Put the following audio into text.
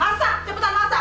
masak cepetan masak hah